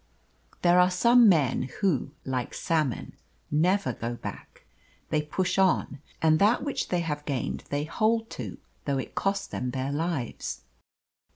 There are some men who, like salmon, never go back. They push on, and that which they have gained they hold to though it cost them their lives.